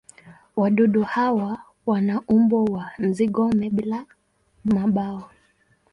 Wadudu hawa wana umbo wa nzi-gome bila mabawa.